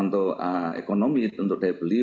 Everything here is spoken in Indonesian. untuk ekonomi untuk daya beli